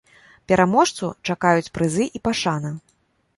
Пераможцу чакаюць прызы і пашана.